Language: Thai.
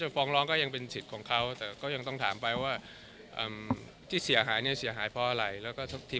หรือนายกรัฐศาสตรี